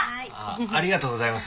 ありがとうございます。